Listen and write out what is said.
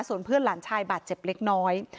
ส่วนเพื่อนหลานชายบาดเจ็บเล็กน้อย